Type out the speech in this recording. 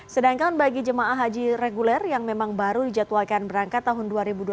sedangkan bagi jemaah haji reguler yang memang baru dijadwalkan berangkat tahun dua ribu dua puluh